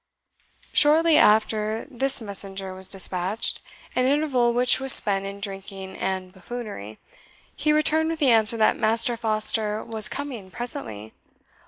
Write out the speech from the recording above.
Shortly after this messenger was dispatched an interval which was spent in drinking and buffoonery he returned with the answer that Master Foster was coming presently.